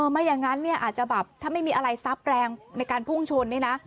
ไม่อย่างนั้นเนี่ยอาจจะแบบถ้าไม่มีอะไรซับแรงในการพุ่งชนเนี่ยนะ